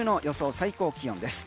最高気温です。